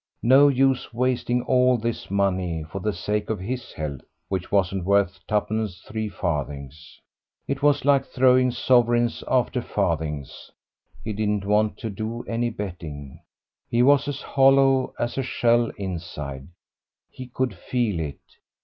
No use wasting all this money for the sake of his health, which wasn't worth two pence three farthings. It was like throwing sovereigns after farthings. He didn't want to do any betting; he was as hollow as a shell inside, he could feel it.